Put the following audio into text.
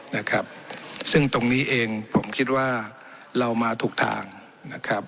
นะครับซึ่งตรงนี้เองผมคิดว่าเรามาถูกทางนะครับ